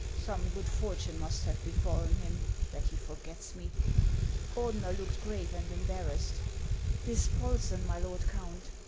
Some good fortune must have be fallen him, that he forgets me." Ordeuer looked grave and embarrassed. " Dispolseu, my lord Count